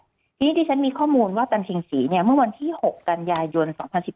ทีนี้ที่ฉันมีข้อมูลว่าตันชิงศรีเนี่ยเมื่อวันที่๖กันยายน๒๐๑๙